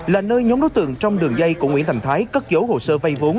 là nơi nhóm đối tượng trong đường dây của nguyễn thành thái cất dấu hồ sơ vay vốn